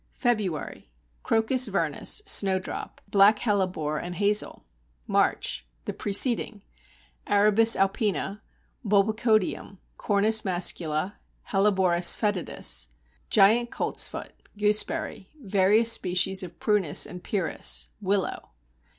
February: Crocus vernus, Snowdrop, Black Hellebore, and Hazel. March: The preceding, Arabis alpina, Bulbocodium, Cornus mascula, Helleborus foetidus, Giant Coltsfoot, Gooseberry, various species of Prunus and Pyrus, Willow.